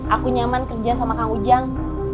aku nyaman kerja sama kang ujang